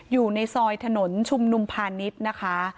อยู่ในซอยถนนชุมนุมพาณิชย์นะคะ